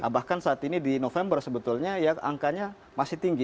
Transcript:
bahkan saat ini di november sebetulnya ya angkanya masih tinggi